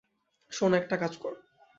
সোনা, একটা কাজ কর।